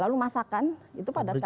lalu masakan itu padat